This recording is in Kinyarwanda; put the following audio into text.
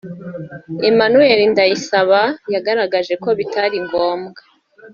Emanuel Ndayisaba yagaragaje ko bitari ngombwa